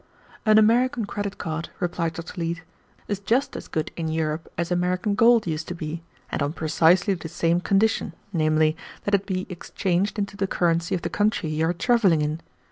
"An American credit card," replied Dr. Leete, "is just as good in Europe as American gold used to be, and on precisely the same condition, namely, that it be exchanged into the currency of the country you are traveling in.